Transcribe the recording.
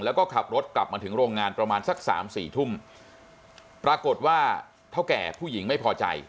แล้วก็ขับรถกลับมาถึงโรงงานประมาณสักสามสี่ทุ่มปรากฏว่าเท่าแก่ผู้หญิงไม่พอใจ